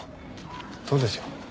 どうでしょう？